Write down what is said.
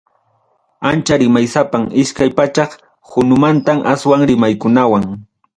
Ancha rimaysapam, iskay pachak hunumanta aswan rimaqkunawan.